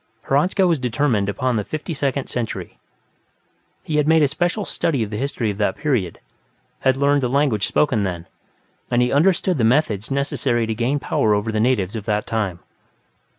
Hradzka was determined upon the Fifty Second Century; he had made a special study of the history of that period, had learned the language spoken then, and he understood the methods necessary to gain power over the natives of that time.